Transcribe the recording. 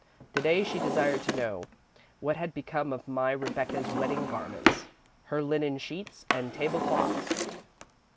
To day she desired to know what had become of my Rebecca's wedding garments, her linen sheets and table cloths.